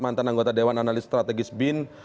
mantan anggota dewan analis strategis bin